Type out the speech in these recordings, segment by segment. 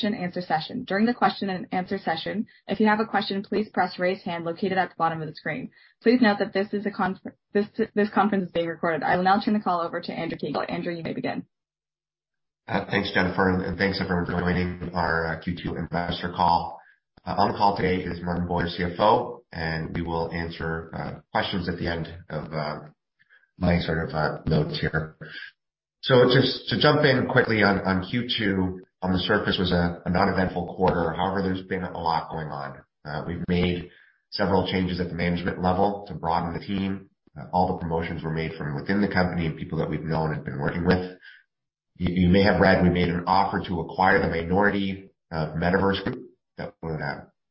Question and answer session. During the question and answer session, if you have a question, please press raise hand located at the bottom of the screen. Please note that this conference is being recorded. I will now turn the call over to Andrew Kiguel. Andrew, you may begin. Thanks, Jennifer, and thanks everyone for joining our Q2 investor call. On the call today is Martin Bui, CFO, and we will answer questions at the end of my sort of notes here. Just to jump in quickly on Q2, on the surface was a non-eventful quarter. However, there's been a lot going on. We've made several changes at the management level to broaden the team. All the promotions were made from within the company of people that we've known and been working with. You may have read we made an offer to acquire the minority of Metaverse Group that would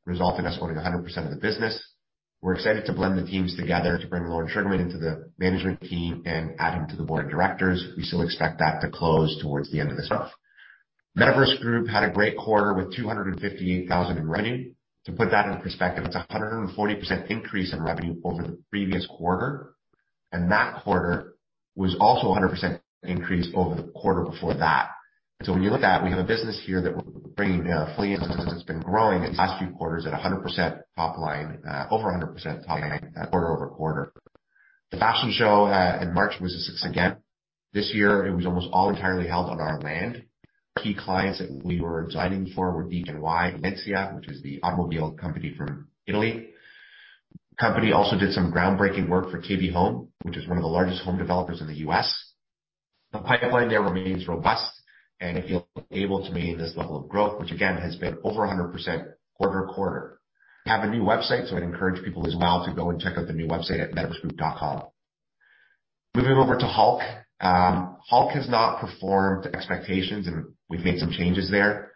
result in us owning 100% of the business. We're excited to blend the teams together to bring Lorne Sugarman into the management team and add him to the board of directors. We still expect that to close towards the end of this month. Metaverse Group had a great quarter with $258,000 in revenue. To put that in perspective, it's a 140% increase in revenue over the previous quarter, and that quarter was also a 100% increase over the quarter before that. When you look at, we have a business here that we're bringing fully into this that's been growing the past few quarters at 100% top line, over 100% top line quarter-over-quarter. The fashion show in March was a success again. This year it was almost all entirely held on our land. Key clients that we were designing for were DKNY and Lancia, which is the automobile company from Italy. Company also did some groundbreaking work for KB Home, which is one of the largest home developers in the U.S. The pipeline there remains robust and it feels able to maintain this level of growth, which again, has been over 100% quarter-over-quarter. We have a new website. I'd encourage people as well to go and check out the new website at metaversegroup.com. Moving over to Hulk. Hulk has not performed to expectations. We've made some changes there.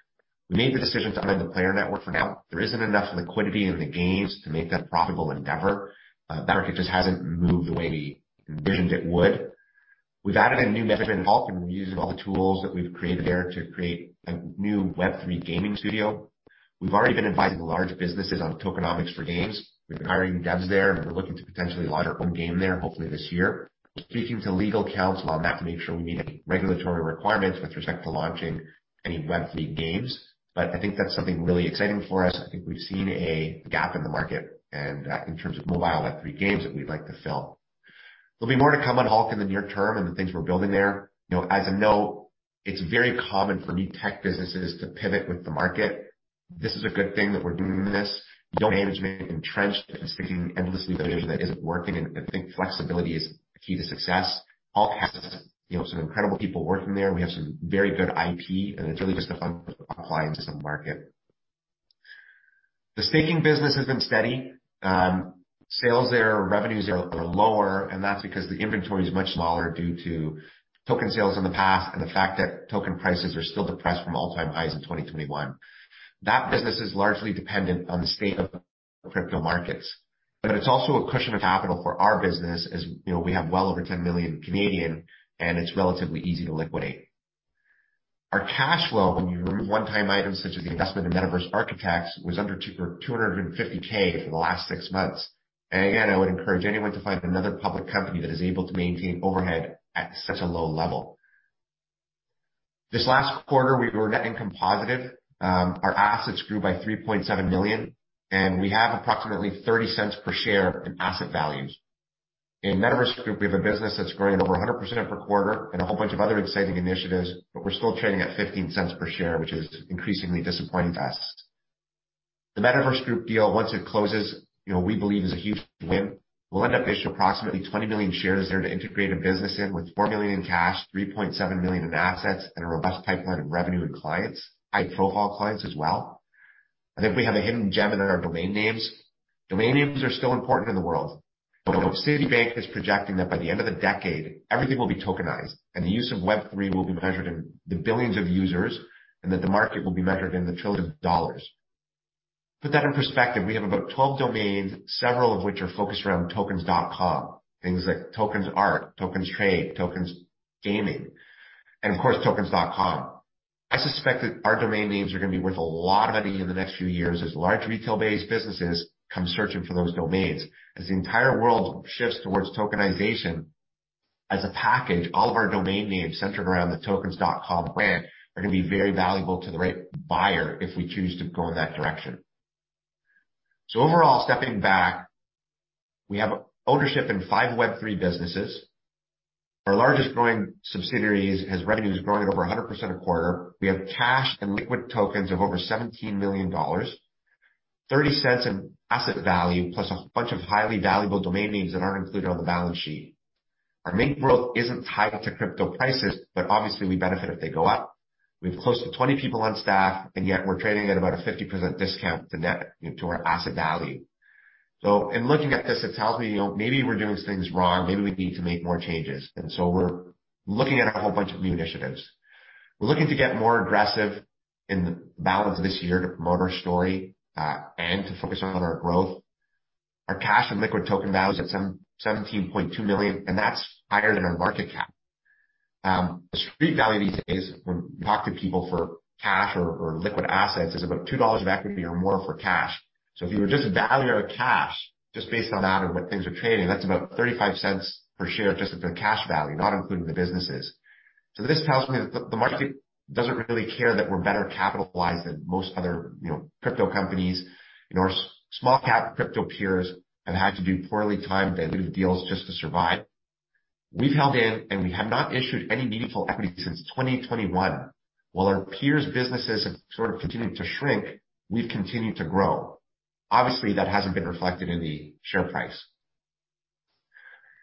We made the decision to end the player network for now. There isn't enough liquidity in the games to make that profitable endeavor. The market just hasn't moved the way we envisioned it would. We've added a new management in Hulk. We're using all the tools that we've created there to create a new Web3 gaming studio. We've already been advising large businesses on tokenomics for games. We've been hiring devs there, we're looking to potentially launch our own game there hopefully this year. We're speaking to legal counsel on that to make sure we meet any regulatory requirements with respect to launching any Web3 games. I think that's something really exciting for us. I think we've seen a gap in the market and, in terms of mobile Web3 games that we'd like to fill. There'll be more to come on Hulk in the near term and the things we're building there. You know, as a note, it's very common for new tech businesses to pivot with the market. This is a good thing that we're doing this. You don't manage to get entrenched in sticking endlessly with a vision that isn't working, I think flexibility is key to success. Hulk has, you know, some incredible people working there. We have some very good IP and it's really just a function of applying it to some market. The staking business has been steady. Sales there, revenues are lower, and that's because the inventory is much smaller due to token sales in the past and the fact that token prices are still depressed from all-time highs in 2021. That business is largely dependent on the state of the crypto markets, but it's also a cushion of capital for our business. As you know, we have well over 10 million and it's relatively easy to liquidate. Our cash flow, when you remove one-time items such as the investment in Metaverse Architects, was under $250,000 for the last six months. I would encourage anyone to find another public company that is able to maintain overhead at such a low level. This last quarter we were net income positive. Our assets grew by $3.7 million, and we have approximately $0.30 per share in asset values. In Metaverse Group, we have a business that's growing at over 100% per quarter and a whole bunch of other exciting initiatives, but we're still trading at $0.15 per share, which is increasingly disappointing to us. The Metaverse Group deal, once it closes, you know, we believe is a huge win. We'll end up issuing approximately 20 million shares there to integrate a business in with $4 million in cash, $3.7 million in assets, and a robust pipeline of revenue and clients, high-profile clients as well. I think we have a hidden gem in our domain names. Domain names are still important in the world. You know, Citibank is projecting that by the end of the decade, everything will be tokenized, and the use of Web3 will be measured in the billions of users, and that the market will be measured in the trillions of dollars. To put that in perspective, we have about 12 domains, several of which are focused around Tokens.com, things like tokens art, tokens trade, tokens gaming, and of course Tokens.com. I suspect that our domain names are gonna be worth a lot of money in the next few years as large retail-based businesses come searching for those domains. As the entire world shifts towards tokenization, as a package, all of our domain names centered around the Tokens.com brand are gonna be very valuable to the right buyer if we choose to go in that direction. Overall, stepping back, we have ownership in five Web3 businesses. Our largest growing subsidiaries has revenues growing at over 100% a quarter. We have cash and liquid tokens of over $17 million, $0.30 in asset value, plus a bunch of highly valuable domain names that aren't included on the balance sheet. Our main growth isn't tied to crypto prices, but obviously we benefit if they go up. We have close to 20 people on staff, and yet we're trading at about a 50% discount to our asset value. In looking at this, it tells me, you know, maybe we're doing things wrong, maybe we need to make more changes. We're looking at a whole bunch of new initiatives. We're looking to get more aggressive in the balance of this year to promote our story, and to focus on our growth. Our cash and liquid token now is at some $17.2 million, and that's higher than our market cap. The street value these days when you talk to people for cash or liquid assets is about $2 of equity or more for cash. If you were just to value our cash just based on that and what things are trading, that's about $0.35 per share, just at the cash value, not including the businesses. This tells me that the market doesn't really care that we're better capitalized than most other, you know, crypto companies and our small cap crypto peers have had to do poorly timed dilutive deals just to survive. We've held in. We have not issued any meaningful equity since 2021. While our peers businesses have sort of continued to shrink, we've continued to grow. Obviously, that hasn't been reflected in the share price.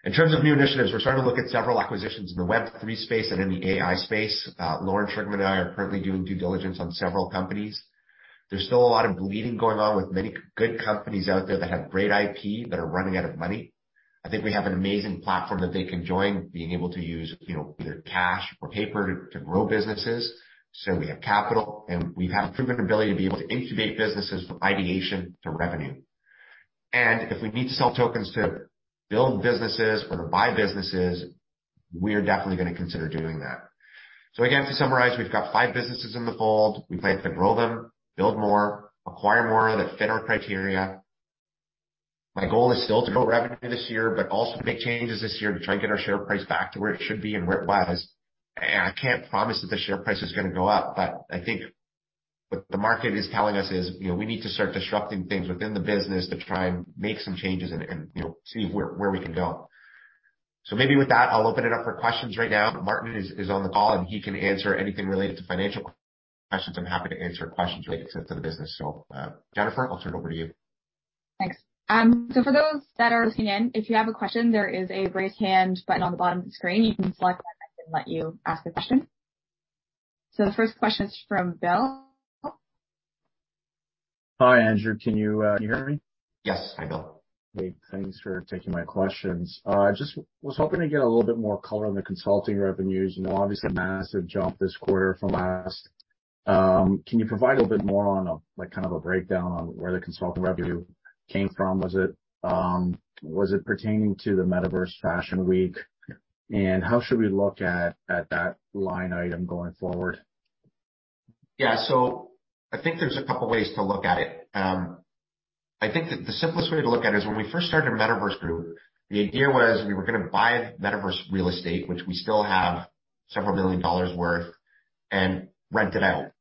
In terms of new initiatives, we're starting to look at several acquisitions in the Web3 space and in the AI space. Lorne Sugarman and I are currently doing due diligence on several companies. There's still a lot of bleeding going on with many good companies out there that have great IP that are running out of money. I think we have an amazing platform that they can join, being able to use, you know, either cash or paper to grow businesses. So we have capital, and we have a proven ability to be able to incubate businesses from ideation to revenue. And if we need to sell tokens to build businesses or to buy businesses, we are definitely gonna consider doing that. Again, to summarize, we've got five businesses in the fold. We plan to grow them, build more, acquire more that fit our criteria. My goal is still to grow revenue this year, but also to make changes this year to try and get our share price back to where it should be and where it was. I can't promise that the share price is gonna go up, but I think what the market is telling us is, you know, we need to start disrupting things within the business to try and make some changes and, you know, see where we can go. Maybe with that, I'll open it up for questions right now. Martin is on the call, and he can answer anything related to financial questions. I'm happy to answer questions related to the business. Jennifer, I'll turn it over to you. Thanks. For those that are listening in, if you have a question, there is a raise hand button on the bottom of the screen. You can select that, and I can let you ask a question. The first question is from Bill. Hi, Andrew. Can you hear me? Yes. Hi, Bill. Great. Thanks for taking my questions. I just was hoping to get a little bit more color on the consulting revenues. You know, obviously a massive jump this quarter from last. Can you provide a bit more on a, like, kind of a breakdown on where the consulting revenue came from? Was it, was it pertaining to the Metaverse Fashion Week? How should we look at that line item going forward? Yeah. I think there's a couple ways to look at it. I think the simplest way to look at it is when we first started Metaverse Group, the idea was we were gonna buy metaverse real estate, which we still have several million dollars worth, and rent it out.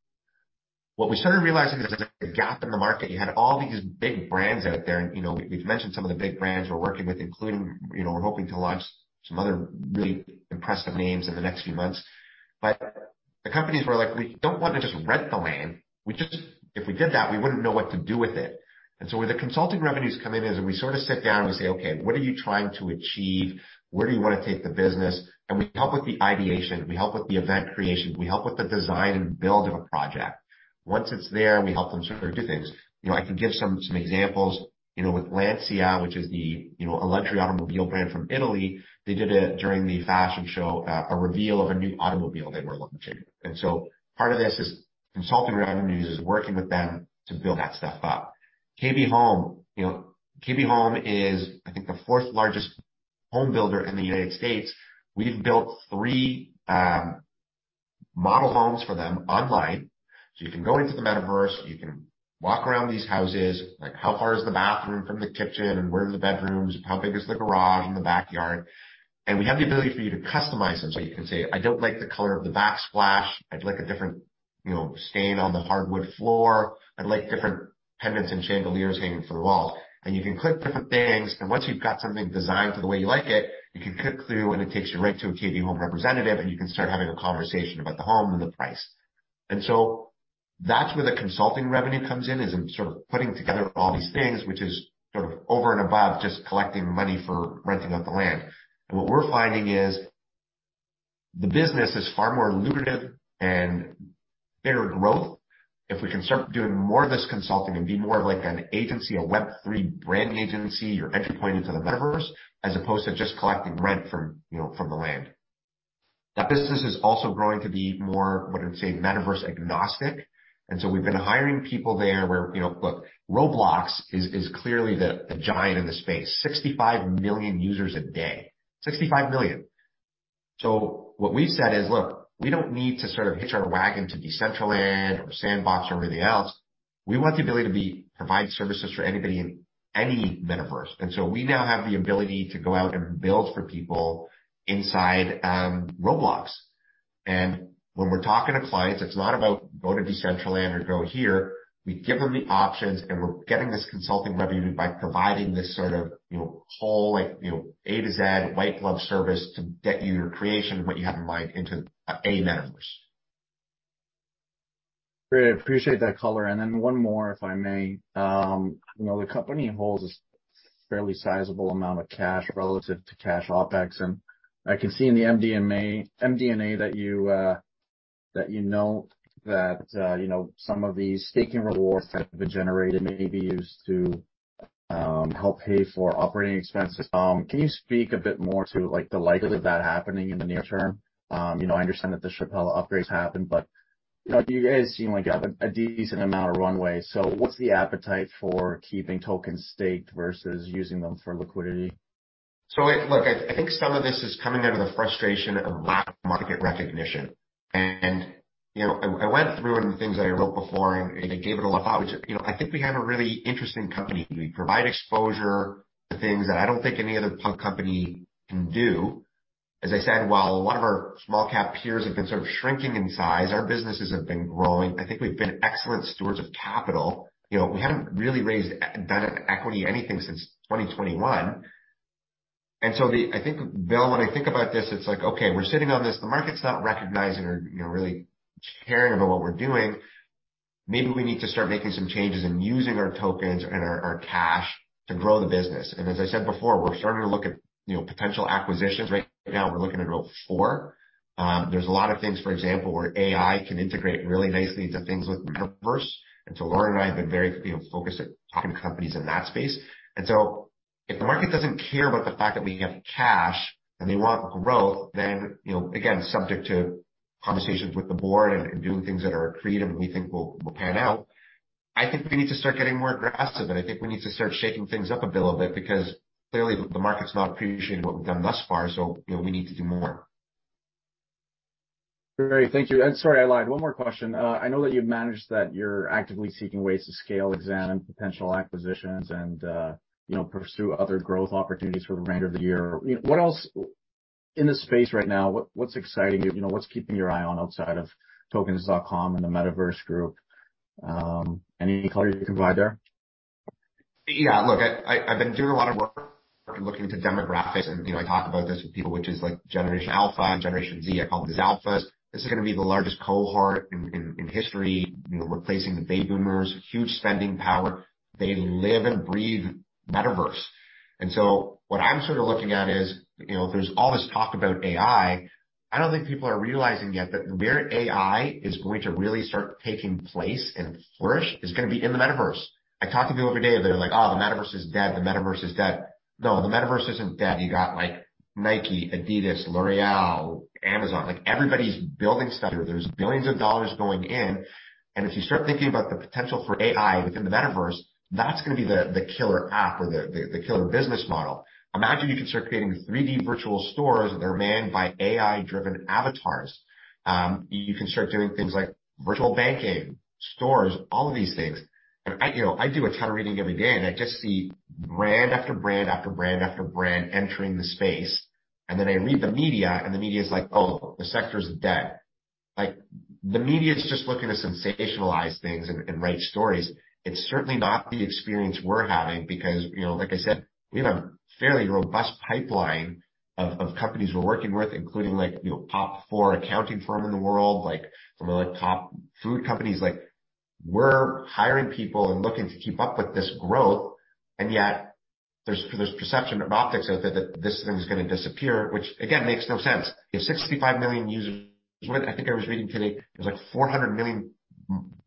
What we started realizing is there's a gap in the market. You had all these big brands out there, and, you know, we've mentioned some of the big brands we're working with, including, you know, we're hoping to launch some other really impressive names in the next few months. The companies were like, "We don't wanna just rent the land. If we did that, we wouldn't know what to do with it. Where the consulting revenues come in is we sort of sit down and we say, "Okay, what are you trying to achieve? Where do you wanna take the business?" We help with the ideation. We help with the event creation. We help with the design and build of a project. Once it's there, we help them sort of do things. You know, I can give some examples. You know, with Lancia, which is the, you know, luxury automobile brand from Italy, they did a during the fashion show, a reveal of a new automobile they were launching. Part of this is consulting revenues is working with them to build that stuff up. KB Home. You know, KB Home is, I think, the fourth largest home builder in the United States. We've built three model homes for them online. You can go into the metaverse. You can walk around these houses. Like, how far is the bathroom from the kitchen and where are the bedrooms? How big is the garage and the backyard? We have the ability for you to customize them. You can say, "I don't like the color of the backsplash. I'd like a different, you know, stain on the hardwood floor. I'd like different pendants and chandeliers hanging from the walls." You can click different things, and once you've got something designed to the way you like it, you can click through, and it takes you right to a KB Home representative, and you can start having a conversation about the home and the price. That's where the consulting revenue comes in, is in sort of putting together all these things, which is sort of over and above just collecting money for renting out the land. What we're finding is the business is far more lucrative and better growth if we can start doing more of this consulting and be more of like an agency, a Web3 branding agency, your entry point into the metaverse, as opposed to just collecting rent from, you know, from the land. That business is also growing to be more, what I would say, metaverse agnostic. We've been hiring people there where, you know, Look, Roblox is clearly the giant in the space. 65 million users a day. 65 million. What we've said is, "Look, we don't need to sort of hitch our wagon to Decentraland or Sandbox or everything else. We want the ability to provide services for anybody in any metaverse. We now have the ability to go out and build for people inside Roblox. When we're talking to clients, it's not about go to Decentraland or go here. We give them the options, and we're getting this consulting revenue by providing this sort of, you know, whole, like, you know, A to Z white glove service to get you your creation, what you have in mind into a metaverse. Great. I appreciate that color. One more, if I may. You know, the company holds a fairly sizable amount of cash relative to cash OpEx, and I can see in the MD&A that you note that, you know, some of these staking rewards that have been generated may be used to help pay for operating expenses. Can you speak a bit more to, like, the likelihood of that happening in the near term? You know, I understand that the Shapella upgrade happened, but, you know, you guys seem like you have a decent amount of runway. What's the appetite for keeping tokens staked versus using them for liquidity? Look, I think some of this is coming out of the frustration of lack of market recognition. You know, I went through one of the things I wrote before, and I gave it a lot of thought, which, you know, I think we have a really interesting company. We provide exposure to things that I don't think any other public company can do. As I said, while a lot of our small cap peers have been sort of shrinking in size, our businesses have been growing. I think we've been excellent stewards of capital. You know, we haven't really done equity anything since 2021. I think, Bill, when I think about this, it's like, okay, we're sitting on this. The market's not recognizing or, you know, really caring about what we're doing. Maybe we need to start making some changes and using our tokens and our cash to grow the business. As I said before, we're starting to look at, you know, potential acquisitions. Right now, we're looking at about four. There's a lot of things, for example, where AI can integrate really nicely into things with metaverse. Lorne and I have been very, you know, focused at talking to companies in that space. If the market doesn't care about the fact that we have cash and they want growth, then, you know, again, subject to conversations with the board and doing things that are accretive and we think will pan out. I think we need to start getting more aggressive, and I think we need to start shaking things up a little bit because clearly the market's not appreciating what we've done thus far, so, you know, we need to do more. Great. Thank you. Sorry, I lied. One more question. I know that you've managed that you're actively seeking ways to scale, examine potential acquisitions, and, you know, pursue other growth opportunities for the remainder of the year. You know, what else In this space right now, what's exciting you? You know, what's keeping your eye on outside of Tokens.com and the Metaverse Group? Any color you can provide there? Yeah. Look, I've been doing a lot of work looking into demographics, and, you know, I talk about this with people, which is like Generation Alpha and Generation Z. I call them the Alphas. This is gonna be the largest cohort in history, you know, replacing the baby boomers. Huge spending power. They live and breathe metaverse. What I'm sort of looking at is, you know, there's all this talk about AI. I don't think people are realizing yet that where AI is going to really start taking place and flourish is gonna be in the metaverse. I talk to people every day, they're like, "Oh, the metaverse is dead. The metaverse is dead." No, the metaverse isn't dead. You got like Nike, adidas, L'Oréal, Amazon, like everybody's building stuff. There's billions of dollars going in. If you start thinking about the potential for AI within the metaverse, that's gonna be the killer app or the killer business model. Imagine you can start creating 3D virtual stores that are manned by AI-driven avatars. You can start doing things like virtual banking, stores, all of these things. I, you know, I do a ton of reading every day, and I just see brand after brand after brand after brand entering the space. I read the media, and the media is like, "Oh, the sector's dead." The media's just looking to sensationalize things and write stories. It's certainly not the experience we're having because, you know, like I said, we have a fairly robust pipeline of companies we're working with, including like, you know, top four accounting firm in the world, like some of the top food companies. Like, we're hiring people and looking to keep up with this growth, yet there's perception and optics out there that this thing's gonna disappear, which again, makes no sense. You have 65 million users. What I think I was reading today, there's like 400 million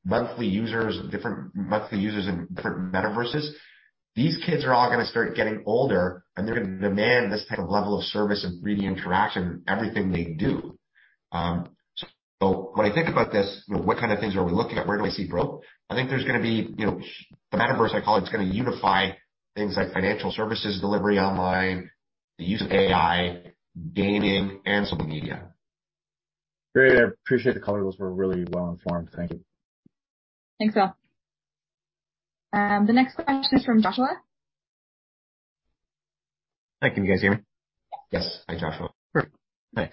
monthly users, different monthly users in different metaverses. These kids are all gonna start getting older, they're gonna demand this type of level of service and 3D interaction in everything they do. When I think about this, you know, what kind of things are we looking at? Where do I see growth? I think there's gonna be... You know, the metaverse, I call it's gonna unify things like financial services, delivery online, the use of AI, gaming, and social media. Great. I appreciate the color. Those were really well informed. Thank you. Thanks, Bill. The next question is from Joshua. Hi. Can you guys hear me? Yes. Yes. Hi, Joshua. Great. Hi.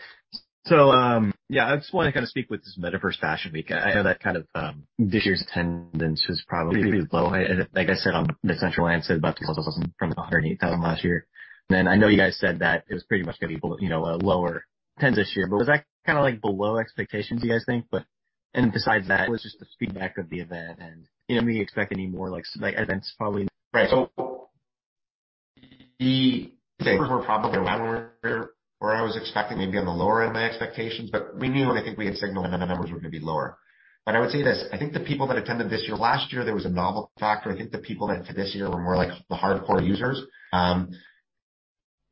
I just wanna kinda speak with this Metaverse Fashion Week. I know that kind of, this year's attendance was probably pretty low. Like I said on Decentraland, I said about 26,000 from 108,000 last year. I know you guys said that it was pretty much gonna be low, you know, a lower attendance this year. Was that kinda like below expectations, do you guys think? Besides that, what was just the feedback of the event, and, you know, do you expect any more like events probably? The numbers were probably lower where I was expecting maybe on the lower end of my expectations, but we knew and I think we had signaled that the numbers were gonna be lower. I would say this, I think the people that attended this year, last year, there was a novel factor. I think the people that attended this year were more like the hardcore users.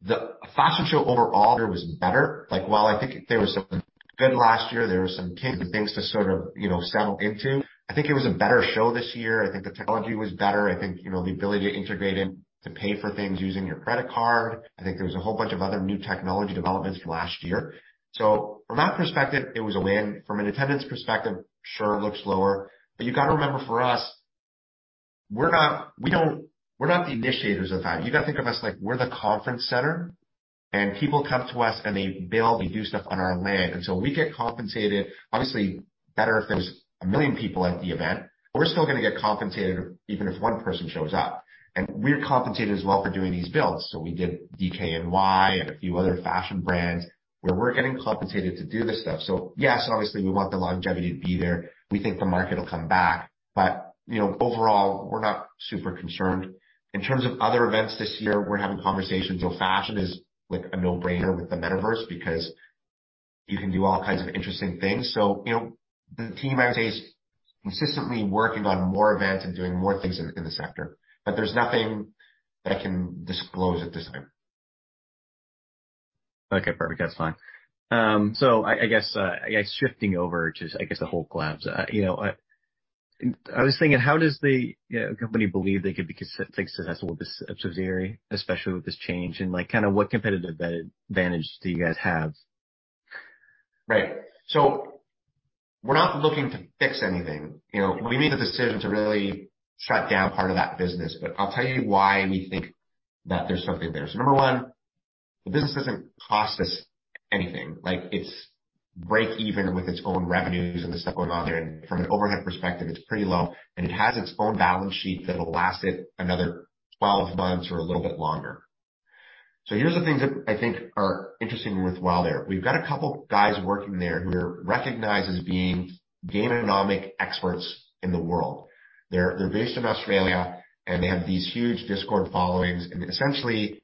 The fashion show overall there was better. Like, while I think there was some good last year, there was some things to sort of, you know, settle into. I think it was a better show this year. I think the technology was better. I think, you know, the ability to integrate in to pay for things using your credit card. I think there was a whole bunch of other new technology developments from last year. From that perspective, it was a win. From an attendance perspective, sure, it looks lower. You gotta remember, for us, we're not the initiators of that. You gotta think of us like we're the conference center, and people come to us, and they build, they do stuff on our land, and so we get compensated, obviously, better if there's 1 million people at the event. We're still gonna get compensated even if one person shows up. We're compensated as well for doing these builds. We did DKNY and a few other fashion brands where we're getting compensated to do this stuff. Yes, obviously, we want the longevity to be there. We think the market will come back. You know, overall, we're not super concerned. In terms of other events this year, we're having conversations. Fashion is like a no-brainer with the metaverse because you can do all kinds of interesting things. You know, the team, I would say, is consistently working on more events and doing more things in the sector. There's nothing that I can disclose at this time. Okay, perfect. That's fine. I guess shifting over just I guess the Hulk Labs, you know, I was thinking, how does the, you know, company believe they could be successful with this subsidiary, especially with this change? Like, kinda what competitive advantage do you guys have? Right. We're not looking to fix anything. You know, we made the decision to really shut down part of that business, but I'll tell you why we think that there's something there. Number one, the business doesn't cost us anything. Like, it's break even with its own revenues and the stuff going on there. From an overhead perspective, it's pretty low, and it has its own balance sheet that'll last it another 12 months or a little bit longer. Here's the things that I think are interesting with WOW there. We've got a couple guys working there who are recognized as being gameonomic experts in the world. They're based in Australia, and they have these huge Discord followings. Essentially,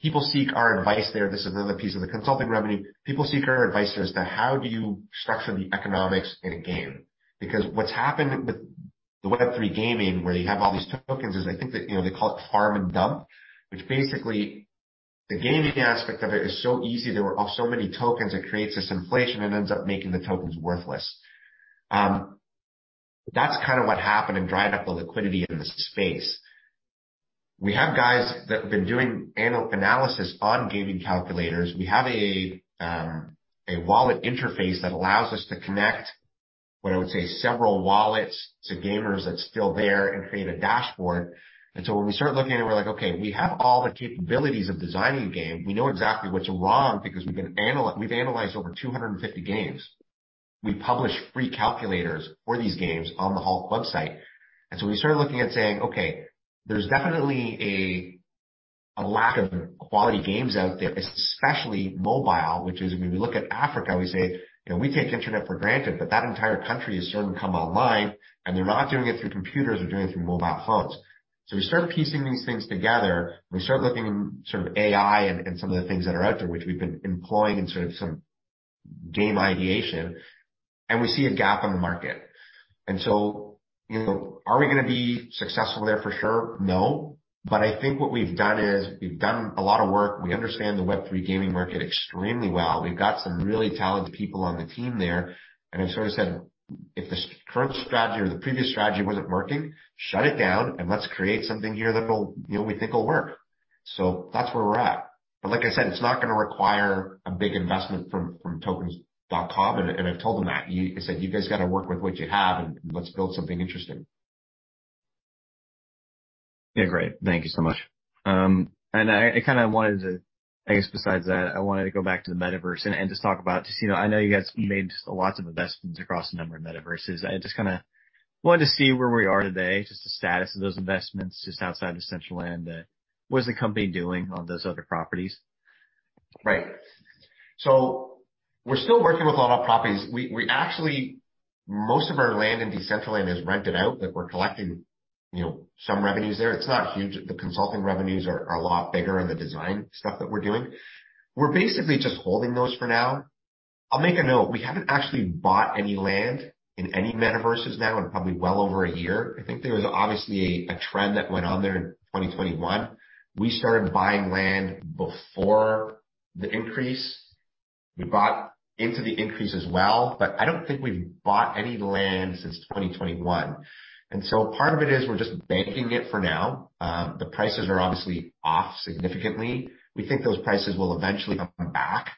people seek our advice there. This is another piece of the consulting revenue. People seek our advice as to how do you structure the economics in a game. What's happened with the Web3 gaming, where you have all these tokens, is I think that, you know, they call it farm and dump, which basically the game economic aspect of it is so easy. There were so many tokens, it creates this inflation and ends up making the tokens worthless. That's kinda what happened and dried up the liquidity in the space. We have guys that have been doing analysis on gaming calculators. We have a wallet interface that allows us to connect what I would say several wallets to gamers that's still there and create a dashboard. When we start looking at it, we're like, okay, we have all the capabilities of designing a game. We know exactly what's wrong because we've analyzed over 250 games. We publish free calculators for these games on the whole website. We started looking at saying, okay, there's definitely a lack of quality games out there, especially mobile, which is when we look at Africa, we say, you know, we take internet for granted, but that entire country is starting to come online, and they're not doing it through computers, they're doing it through mobile phones. We start piecing these things together. We start looking sort of AI and some of the things that are out there, which we've been employing in sort of some game ideation, and we see a gap in the market. You know, are we gonna be successful there for sure? No. I think what we've done is we've done a lot of work. We understand the Web3 gaming market extremely well. We've got some really talented people on the team there. I've sort of said, if the current strategy or the previous strategy wasn't working, shut it down, and let's create something here that'll, you know, we think will work. That's where we're at. Like I said, it's not gonna require a big investment from Tokens.com. I've told them that. I said, "You guys gotta work with what you have, and let's build something interesting. Yeah, great. Thank you so much. I kinda wanted to go back to the metaverse and just talk about, you know, I know you guys made lots of investments across a number of metaverses. I just kinda wanted to see where we are today, just the status of those investments, just outside of Decentraland. What is the company doing on those other properties? Right. We're still working with a lot of properties. Most of our land in Decentraland is rented out, like we're collecting, you know, some revenues there. It's not huge. The consulting revenues are a lot bigger in the design stuff that we're doing. We're basically just holding those for now. I'll make a note. We haven't actually bought any land in any metaverses now in probably well over a year. I think there was obviously a trend that went on there in 2021. We started buying land before the increase. We bought into the increase as well, but I don't think we've bought any land since 2021. Part of it is we're just banking it for now. The prices are obviously off significantly. We think those prices will eventually come back.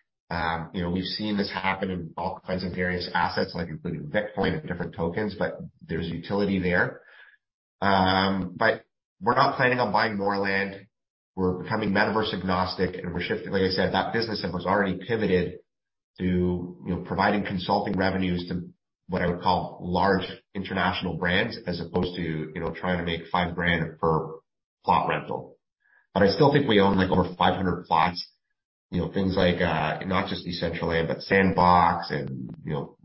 You know, we've seen this happen in all kinds of various assets, like including Bitcoin and different tokens, but there's utility there. We're not planning on buying more land. We're becoming metaverse agnostic, and we're shifting. Like I said, that business that was already pivoted to, you know, providing consulting revenues to what I would call large international brands as opposed to, you know, trying to make $5,000 per plot rental. I still think we own, like, over 500 plots. You know, things like, not just Decentraland, but Sandbox and, you know,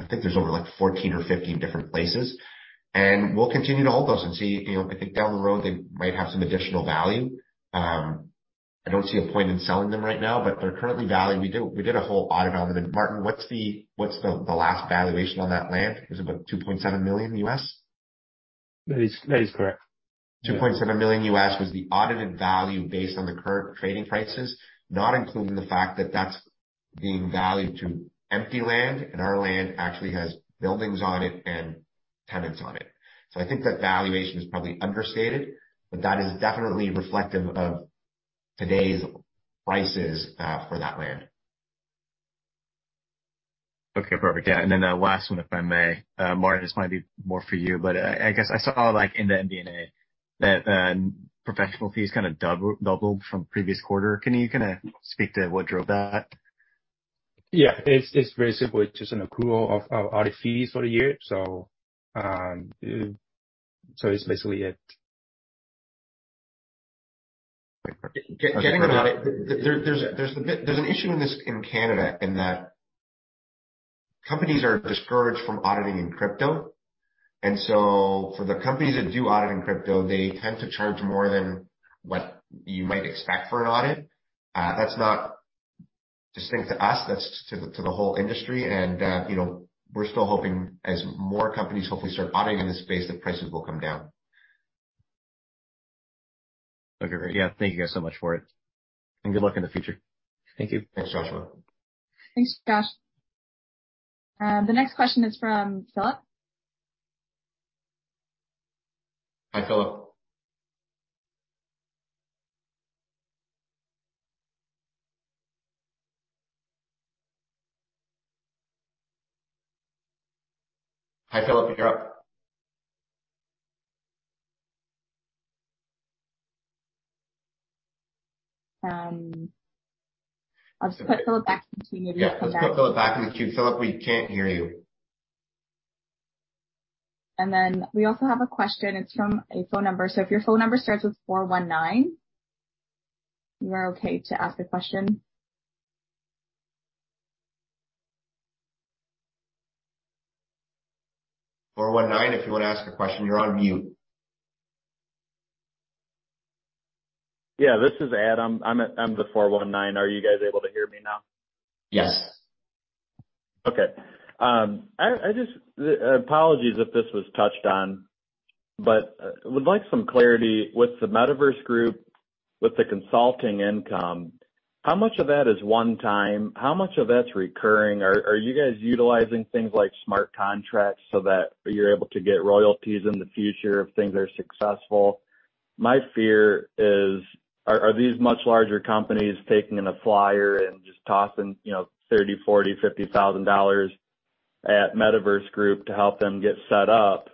I think there's over like 14 or 15 different places. We'll continue to hold those and see. You know, I think down the road, they might have some additional value. I don't see a point in selling them right now, but they're currently valued. We did a whole audit on them. Martin, what's the last valuation on that land? It was about $2.7 million? That is correct. $2.7 million was the audited value based on the current trading prices, not including the fact that that's being valued to empty land, and our land actually has buildings on it and tenants on it. I think that valuation is probably understated, but that is definitely reflective of today's prices for that land. Okay, perfect. Yeah. Last one, if I may. Martin, this might be more for you, but I guess I saw like in the MD&A that professional fees kinda doubled from previous quarter. Can you kinda speak to what drove that? Yeah. It's basically just an accrual of audit fees for the year. It's basically it. Getting an audit. There's an issue in this in Canada in that companies are discouraged from auditing in crypto. For the companies that do audit in crypto, they tend to charge more than what you might expect for an audit. That's not distinct to us, that's to the whole industry. You know, we're still hoping as more companies hopefully start auditing in this space, that prices will come down. Okay, great. Yeah, thank you guys so much for it, and good luck in the future. Thank you. Thanks, Joshua. Thanks, Josh. The next question is from Philip. Hi, Philip. You're up. I'll just put Philip back into the queue. Yeah, let's put Philip back in the queue. Philip, we can't hear you. We also have a question. It's from a phone number. If your phone number starts with 419, you are okay to ask a question. 419, if you want to ask a question, you're on mute. Yeah, this is Adam. I'm the 419. Are you guys able to hear me now? Yes. Yes. Okay. Apologies if this was touched on, would like some clarity with the Metaverse Group, with the consulting income, how much of that is one time? How much of that's recurring? Are you guys utilizing things like smart contracts so that you're able to get royalties in the future if things are successful? My fear is, are these much larger companies taking a flyer and just tossing, you know, $30,000, $40,000, $50,000 at Metaverse Group to help them get set up?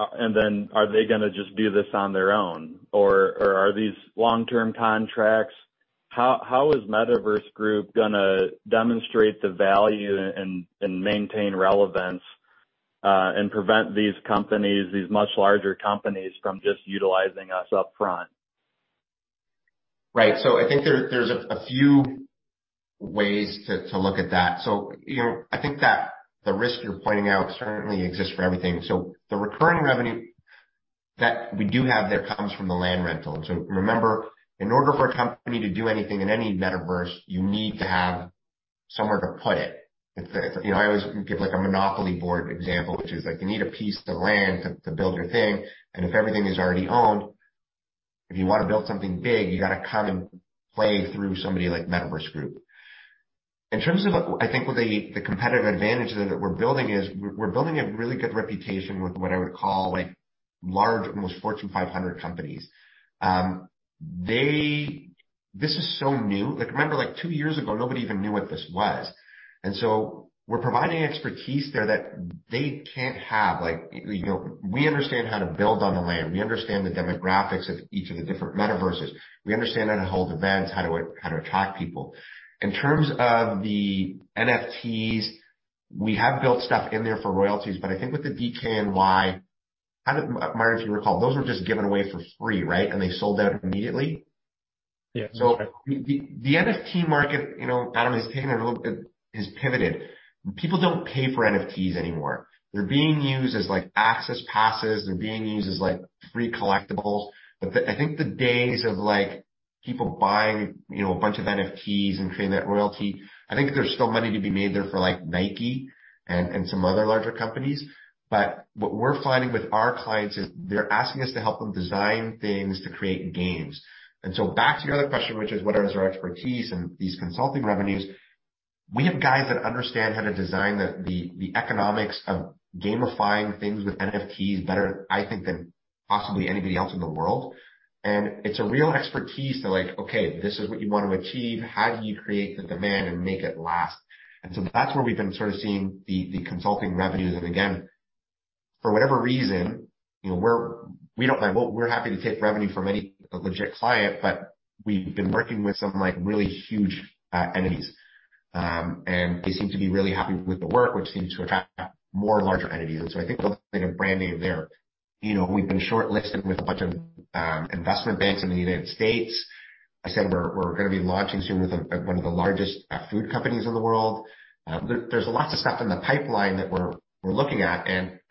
And then are they gonna just do this on their own, or are these long-term contracts? How is Metaverse Group gonna demonstrate the value and maintain relevance and prevent these companies, these much larger companies from just utilizing us up front? Right. I think there's a few ways to look at that. You know, I think that the risk you're pointing out certainly exists for everything. The recurring revenue that we do have there comes from the land rental. Remember, in order for a company to do anything in any metaverse, you need to have somewhere to put it. It's a, you know, I always give, like, a Monopoly board example, which is like you need a piece of the land to build your thing. If everything is already owned, if you wanna build something big, you gotta come and play through somebody like Metaverse Group. In terms of I think what the competitive advantage that we're building is we're building a really good reputation with what I would call, like, large, almost Fortune 500 companies. This is so new. Like, remember, like, two years ago, nobody even knew what this was. We're providing expertise there that they can't have. Like, you know, we understand how to build on the land. We understand the demographics of each of the different metaverses. We understand how to hold events, how to attract people. In terms of the NFTs, we have built stuff in there for royalties, but I think with the DKNY, I don't Meyers, you recall, those were just given away for free, right? They sold out immediately. Yeah. The NFT market, you know, Adam, has pivoted. People don't pay for NFTs anymore. They're being used as, like, access passes. They're being used as, like, free collectibles. I think the days of, like, people buying, you know, a bunch of NFTs and creating that royalty, I think there's still money to be made there for, like, Nike and some other larger companies. What we're finding with our clients is they're asking us to help them design things to create games. Back to your other question, which is what is our expertise in these consulting revenues, we have guys that understand how to design the economics of gamifying things with NFTs better, I think, than possibly anybody else in the world. It's a real expertise to like, okay, this is what you want to achieve. How do you create the demand and make it last? That's where we've been sort of seeing the consulting revenues. Again, for whatever reason, you know, we're happy to take revenue from any legit client, but we've been working with some, like, really huge entities. They seem to be really happy with the work, which seems to attract more larger entities. I think they'll make a brand name there. You know, we've been shortlisted with a bunch of investment banks in the United States. I said we're gonna be launching soon with one of the largest food companies in the world. There's lots of stuff in the pipeline that we're looking at.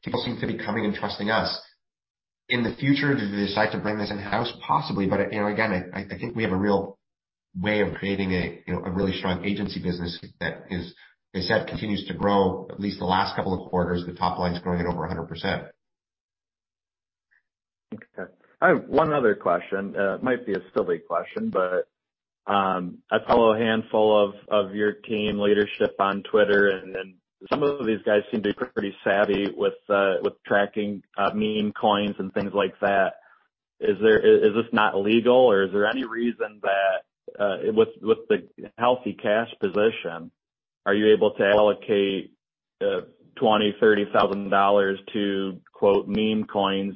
People seem to be coming and trusting us. In the future, do they decide to bring this in-house? Possibly. You know, again, I think we have a real way of creating, you know, a really strong agency business that is, as I said, continues to grow. At least the last couple of quarters, the top line's growing at over 100%. Okay. I have one other question. It might be a silly question, but I follow a handful of your team leadership on Twitter, some of these guys seem to be pretty savvy with tracking meme coins and things like that. Is this not legal, or is there any reason that, with the healthy cash position, are you able to allocate $20,000-$30,000 to quote, "meme coins"?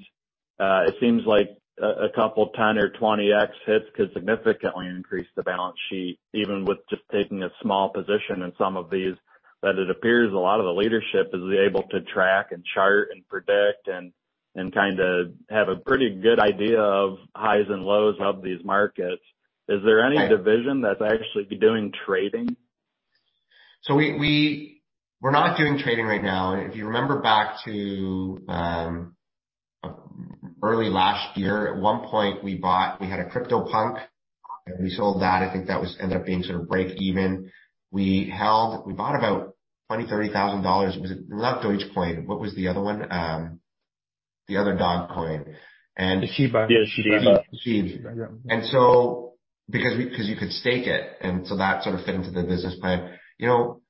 It seems like a couple 10x or 20x hits could significantly increase the balance sheet, even with just taking a small position in some of these, that it appears a lot of the leadership is able to track and chart and predict and kinda have a pretty good idea of highs and lows of these markets. Is there any division that's actually doing trading? We're not doing trading right now. If you remember back to early last year, at one point, we had a CryptoPunk. We sold that. I think that ended up being sort of break even. We bought about $20,000-$30,000. It was Dogecoin. What was the other one? The other dog coin. Shiba. SHIB. Because you could stake it, that sort of fit into the business plan. You know,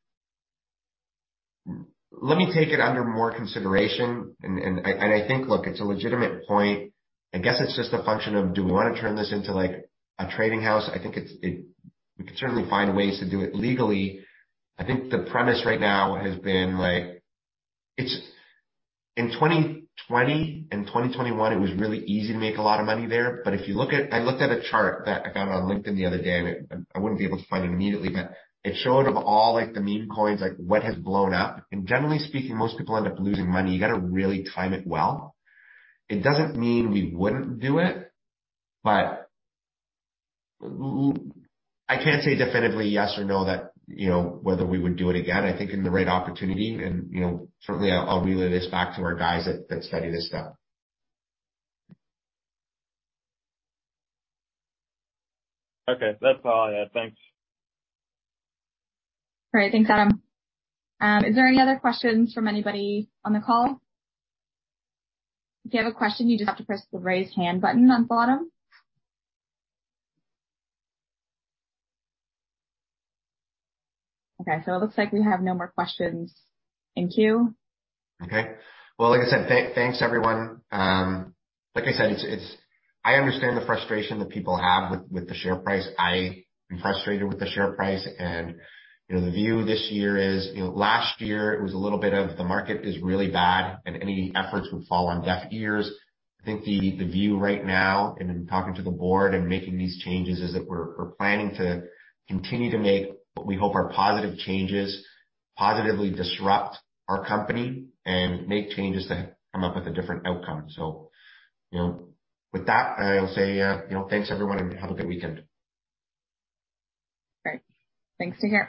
let me take it under more consideration. I think, look, it's a legitimate point. I guess it's just a function of do we wanna turn this into, like, a trading house? I think we can certainly find ways to do it legally. I think the premise right now has been, like... In 2020 and 2021, it was really easy to make a lot of money there. If you look at... I looked at a chart that I found on LinkedIn the other day, I wouldn't be able to find it immediately, but it showed all, like, the meme coins, like what has blown up. Generally speaking, most people end up losing money. You gotta really time it well. It doesn't mean we wouldn't do it, but I can't say definitively yes or no that, you know, whether we would do it again. I think in the right opportunity and, you know, certainly I'll relay this back to our guys that study this stuff. Okay. That's all I had. Thanks. All right. Thanks, Adam. Is there any other questions from anybody on the call? If you have a question, you just have to press the raise hand button on bottom. Okay, it looks like we have no more questions. Thank you. Okay. Well, like I said, thanks, everyone. Like I said, it's I understand the frustration that people have with the share price. I am frustrated with the share price. You know, the view this year is, you know, last year it was a little bit of the market is really bad, and any efforts would fall on deaf ears. I think the view right now, and in talking to the board and making these changes, is that we're planning to continue to make what we hope are positive changes, positively disrupt our company, and make changes that come up with a different outcome. You know, with that, I'll say, you know, thanks everyone, and have a good weekend. Great. Thanks again.